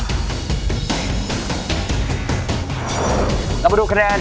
เรามาดูคะแนน